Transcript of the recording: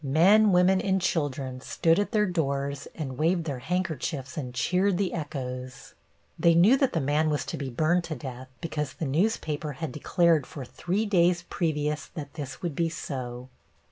Men, women and children stood at their doors and waved their handkerchiefs and cheered the echoes. They knew that the man was to be burned to death because the newspaper had declared for three days previous that this would be so.